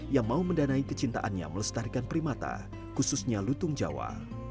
yang mau mendanai kecintaannya melestarikan primata khususnya lutung jawa